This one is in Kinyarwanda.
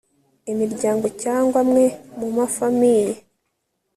imiryango cyangwa amwe mumafamiye